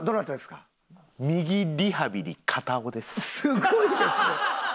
すごいですね。